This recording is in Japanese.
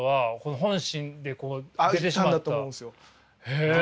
へえ！